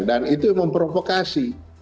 dan itu memprovokasi